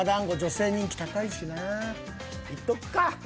いっとくか。